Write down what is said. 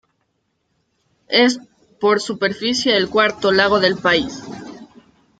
Es, por superficie, el cuarto lago del país.